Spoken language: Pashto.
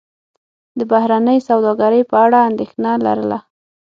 د بهرنۍ سوداګرۍ په اړه اندېښنه لرله.